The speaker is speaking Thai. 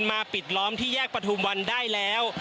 ปิดล้อมที่แยกประทุมวันได้แล้ว